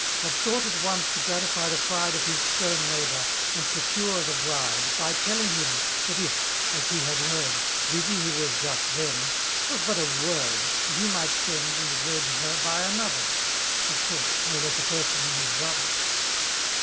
Had thought at once to gratify the pride Of his stern lieighbour, and secure tlie bfide>. By telling him^ that if> as he had heard> Busy he was just then, 'twas but a word> And he might send and wed her bjr andtberi— *.. Of course, no kss a .person than his brother.